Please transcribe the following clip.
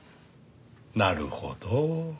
なるほど。